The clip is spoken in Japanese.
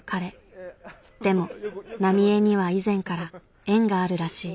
でも浪江には以前から縁があるらしい。